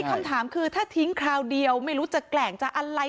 คำถามคือถ้าทิ้งคราวเดียวไม่รู้จะแกร่งจะอะไร